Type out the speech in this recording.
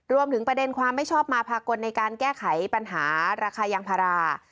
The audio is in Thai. ประเด็นความไม่ชอบมาพากลในการแก้ไขปัญหาราคายางพารา